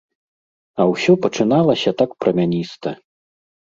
А ўсё пачыналася так прамяніста!